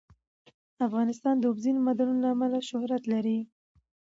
افغانستان د اوبزین معدنونه له امله شهرت لري.